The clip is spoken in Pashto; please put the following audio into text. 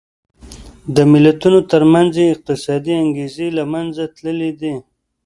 د ملتونو ترمنځ یې اقتصادي انګېزې له منځه تللې دي.